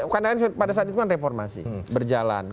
karena pada saat itu kan reformasi berjalan